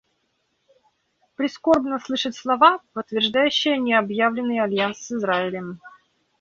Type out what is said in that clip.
Прискорбно слышать слова, подтверждающие необъявленный альянс с Израилем.